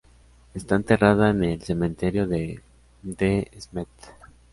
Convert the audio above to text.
Esta enterrada en el cementerio de De Smet.